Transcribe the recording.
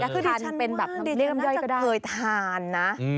คือดิฉันมากดิฉันน่าจะเคยทานนะ